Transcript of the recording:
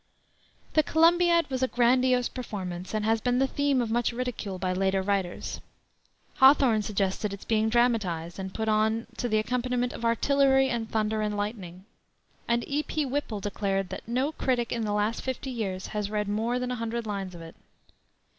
The Columbiad was a grandiose performance, and has been the theme of much ridicule by later writers. Hawthorne suggested its being dramatized, and put on to the accompaniment of artillery and thunder and lightning; and E. P. Whipple declared that "no critic in the last fifty years had read more than a hundred lines of it."